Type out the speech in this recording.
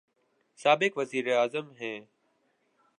سابق وزیر اعظم ہیں۔